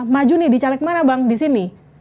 maju nih di caleg mana bang di sini